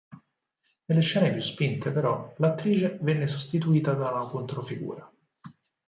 Nelle scene più spinte, però, l'attrice venne sostituita da una controfigura.